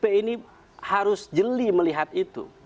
p ini harus jeli melihat itu